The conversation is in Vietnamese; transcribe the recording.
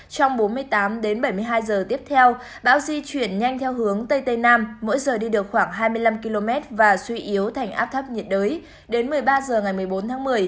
trong bốn mươi tám h đến bảy mươi hai h tiếp theo báo di chuyển nhanh theo hướng tây mỗi giờ đi được khoảng hai mươi năm km và suy yếu thành áp thấp nhiệt đới đến một mươi ba h ngày một mươi bốn tháng một mươi